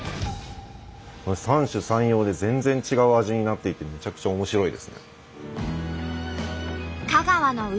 三者三様で全然違う味になっていてむちゃくちゃ面白いですね。